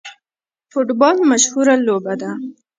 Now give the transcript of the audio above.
فوټبال مشهوره لوبه ده